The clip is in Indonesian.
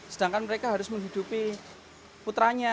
sedangkan mereka harus menghidupi putranya